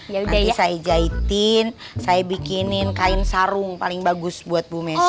ya udah nanti saya jahitin saya bikinin kain sarung paling bagus buat bu messi